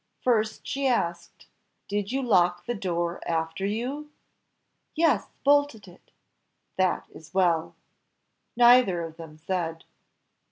First she asked: "Did you lock the door after you?" "Yes, bolted it," "That is well." Neither of them said.